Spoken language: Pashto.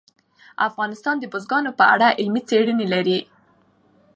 افغانستان د بزګانو په اړه علمي څېړنې لري.